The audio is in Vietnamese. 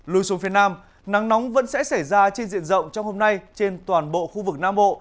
lùi xuống phía nam nắng nóng vẫn sẽ xảy ra trên diện rộng trong hôm nay trên toàn bộ khu vực nam bộ